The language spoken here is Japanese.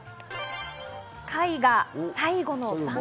絵画『最後の晩餐』